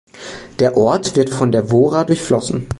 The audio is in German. Der Ort wird von der Wohra durchflossen.